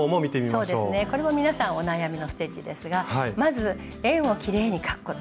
そうですねこれも皆さんお悩みのステッチですがまず円をきれいに描くこと。